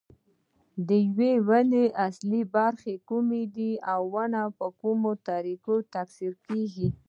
د یوې ونې اصلي برخې کومې دي او ونې په کومو طریقو تکثیر کېږي.